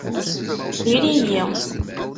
Diri-yi.